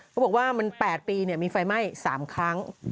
เขาบอกว่ามัน๘ปีมีไฟไหม้๓ครั้ง